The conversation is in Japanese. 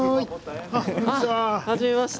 はじめまして。